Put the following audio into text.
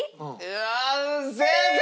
ああ正解！